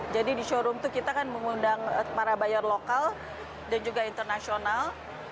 jadi di showroom itu kita kan mengundang para buyer lokal dan juga internasional